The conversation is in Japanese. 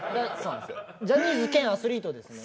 ジャニーズ兼アスリートです。